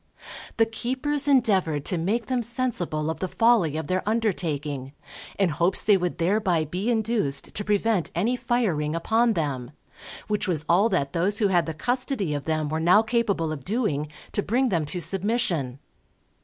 The keepers endeavoured to make them sensible of the folly of their undertaking, in hopes they would thereby be induced to prevent any firing upon them; which was all that those who had the custody of them were now capable of doing, to bring them to submission.